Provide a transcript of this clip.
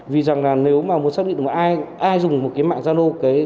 vì rằng là nếu mà muốn xác định được ai dùng một cái mạng zalo